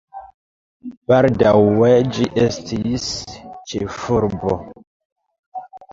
Baldaŭe ĝi estis ĉefurbo.